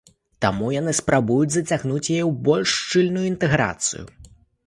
Таму яны спрабуюць зацягнуць яе ў больш шчыльную інтэграцыю.